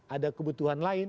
ada kebutuhan lain